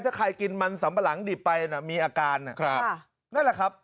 ถ้าใครกินมันสัมปะหลังดิบไปน่ะมีอาการนะครับนั่นแหละครับ